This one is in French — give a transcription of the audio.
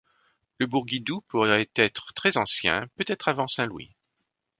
Le Bourgidou pourrait être très ancien, peut-être avant Saint Louis.